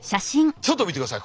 ちょっと見てください。